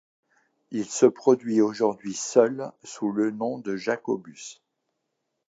Il se produit aujourd'hui seul sous le nom de Jacobus.